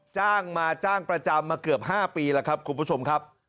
จ้างมาจ้างประจำมาเกือบ๕ปีแล้วครับคุณผู้ชมครับ